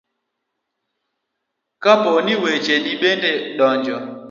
kapo ni wecheni bende donjo